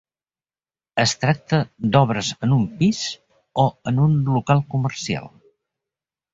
Es tracta d'obres en un pis, o en un local comercial?